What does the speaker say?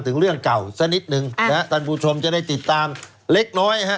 ถึงเรื่องเก่าสักนิดหนึ่งตันผู้ชมจะได้ติดตามเล็กน้อย